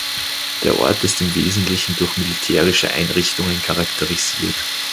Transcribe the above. Der Ort ist im Wesentlichen durch militärische Einrichtungen charakterisiert.